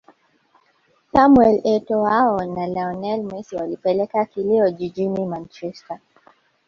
Samuel Etoâo na Lionel Messi walipeleka kilio jijini Manchesterr